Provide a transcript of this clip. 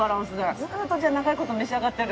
ずっとじゃあ長い事召し上がってる？